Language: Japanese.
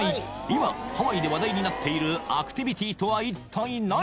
今ハワイで話題になっているアクティビティとは一体何？